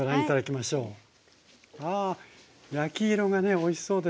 ああ焼き色がねおいしそうですね。